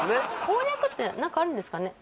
攻略って何かあるんですかね？